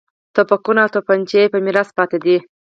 توپکونه او تومانچې یې په میراث پاتې دي.